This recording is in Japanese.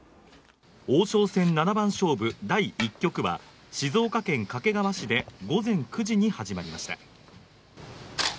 王将戦七番勝負第一局は静岡県掛川市で午前９時に始まりました。